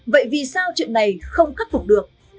vậy vì sao chuyện này không khắc phục được